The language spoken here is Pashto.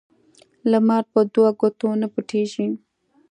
لمر په دوو ګوتو نه پټيږي.